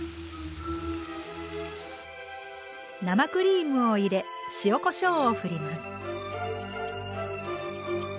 生クリームを入れ塩・こしょうをふります。